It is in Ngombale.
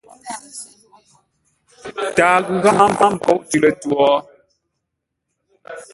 Tǎa ghʉ gháʼá mboŋə́ nkôʼ tʉ̌ lətwǒ?